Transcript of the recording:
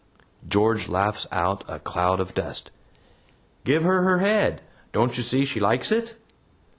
George laughs out of a cloud of dust. "Give her her head; don't you see she likes it?"